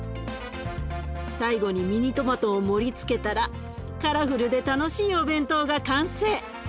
最後にミニトマトを盛りつけたらカラフルで楽しいお弁当が完成！